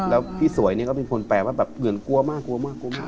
แล้วพี่สวยเนี่ยก็เป็นคนแปลว่าแบบเหมือนกลัวมากกลัวมากกลัวมาก